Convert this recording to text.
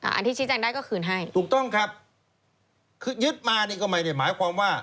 อันที่ชี้แจงได้ก็คืนให้ถูกต้องครับคือยึดมานี่ก็ไม่ได้หมายความว่า